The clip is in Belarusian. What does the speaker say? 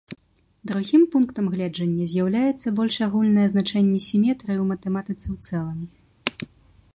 Другім пунктам гледжання з'яўляецца больш агульнае значэнне сіметрыі ў матэматыцы ў цэлым.